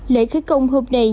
lễ khởi công hôm nay